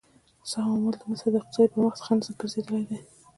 څه عوامل د مصر د اقتصادي پرمختګ خنډ ګرځېدلي دي؟